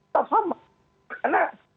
tahap sama karena